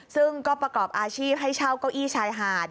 ซึ่งก็ประกอบอาชีพให้เช่าเก้าอี้ชายหาด